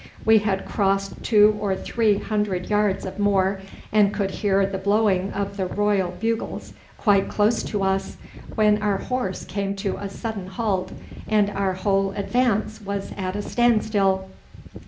We had crossed two or three hundred yards of moor, and could hear the blowing of the Royal bugles quite close to us, when our horse came to a sudden halt, and our whole advance was at a standstill.